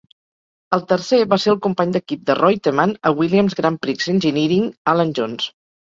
El tercer va ser el company d'equip de Reutemann a Williams Grand Prix Engineering, Alan Jones.